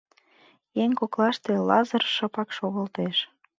Еҥ коклаште Лазыр шыпак шогылтеш.